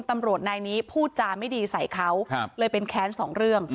ตำรวจนายนี้พูดจาไม่ดีใส่เขาเลยเป็นแค้นสองเรื่อง